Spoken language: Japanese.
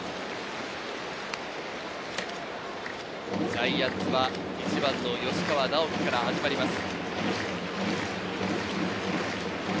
ジャイアンツは１番の吉川尚輝から始まります。